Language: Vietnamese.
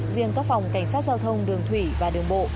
riêng các phòng cảnh sát giao thông đường thủy và đường bộ